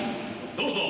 どうぞ！